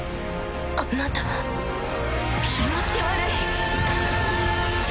あなた気持ち悪い。